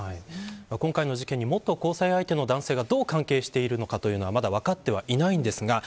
今回の事件に元交際相手の男性がどう関係しているのかはまだ分かってはいないんですが